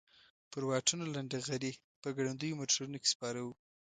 پر واټونو لنډه غري په ګړندیو موټرونو کې سپاره وو.